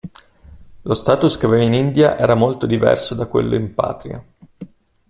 Lo status che aveva in India era molto diverso da quello in patria.